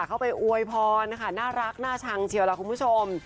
เข้าไปอวยพรนะคะน่ารักน่าชังเชียวล่ะคุณผู้ชม